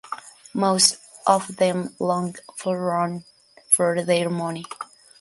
Most of them longed for run for their money.